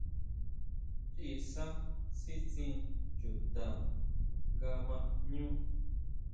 ʼChiʼisá sítsín chuta nga ma jñú.